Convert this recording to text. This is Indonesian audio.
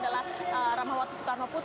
dalam pertemuan pertemuan atau rapat rapat